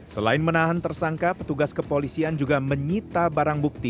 selain menahan tersangka petugas kepolisian juga menyita barang bukti